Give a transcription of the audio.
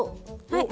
はい。